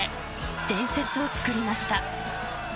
伝説を作りました。